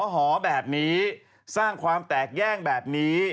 หอแบบนี้สร้างความแตกแยกแบบนี้